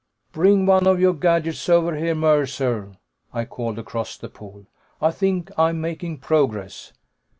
"Bring one of your gadgets over here, Mercer," I called across the pool. "I think I'm making progress."